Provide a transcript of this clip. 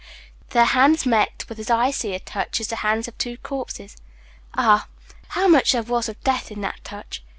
Their hands met with as icy a touch as the hands of two corpses. Ah! how much there was of death in that touch!